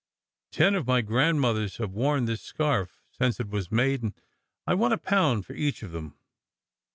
Ten of my grandmothers have worn this scarf since it was made, and I want a pound for each of them."